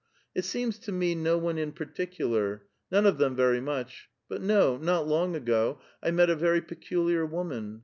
" It seems to me, no one in particular, none of them very much ; but no, not long ago, I met a very peculiar woman.